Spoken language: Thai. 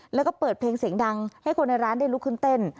แล้วก็เปิดเพลงเสียงดังให้คนในร้านได้ลุกขึ้นเต้น